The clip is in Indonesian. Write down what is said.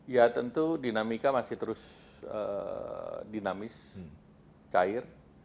ya tentu dinamika masih terus dinamis cair